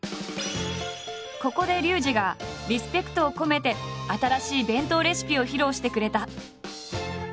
ここでリュウジがリスペクトを込めて新しい弁当レシピを披露してくれた。